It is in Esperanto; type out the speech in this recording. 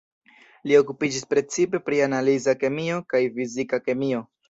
Li okupiĝis precipe pri analiza kemio kaj fizika kemio.